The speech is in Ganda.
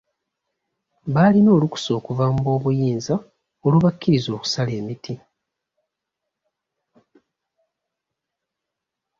Baalina olukusa okuva mu b'obuyinza olubakkiriza okusala emiti.